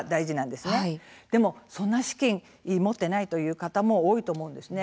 でも、そんな資金持ってないという方も多いと思うんですね。